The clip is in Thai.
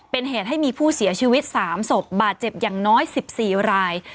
เป็นเหตุให้มีผู้เสียชีวิต๓ศพบาดเจ็บอย่างน้อย๑๔ราย